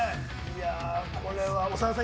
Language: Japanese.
これは長田さん